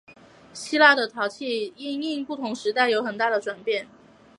希腊的陶器因应不同时代而有很大的转变。